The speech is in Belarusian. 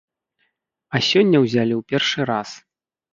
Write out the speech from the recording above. А сёння ўзялі ў першы раз.